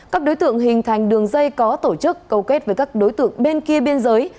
các đối tượng hình thành đường dây có tổ chức cầu kết với các đối tượng bên kia biên giới